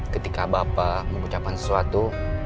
ketika bapak mengucapkan sesuatu